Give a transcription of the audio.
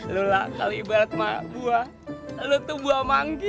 lo lah kalau ibarat mak buah lo tuh buah manggis